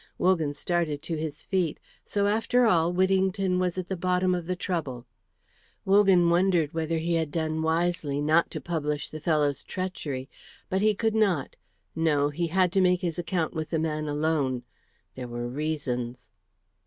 Wogan started to his feet. So, after all, Whittington was at the bottom of the trouble. Wogan wondered whether he had done wisely not to publish the fellow's treachery. But he could not, no, he had to make his account with the man alone. There were reasons.